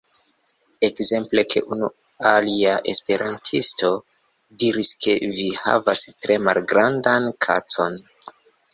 Ekzemple ke unu alia esperantisto diris ke vi havas tre malgrandan kacon.